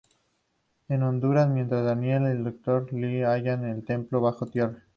En Honduras mientras, Daniel y el Dr. Lee hallan el templo bajo tierra.